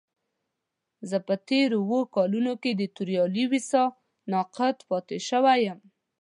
زه په تېرو اوو کالو کې د توريالي ويسا ناقد پاتې شوی يم.